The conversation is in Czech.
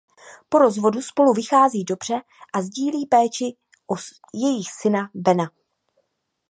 Po rozvodu spolu vychází dobře a sdílí péči o jejich syna Bena.